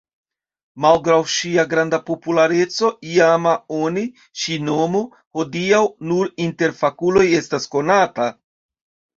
Malgraŭ ŝia granda populareco iama oni ŝi nomo hodiaŭ nur inter fakuloj estas konata.